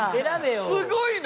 すごいな！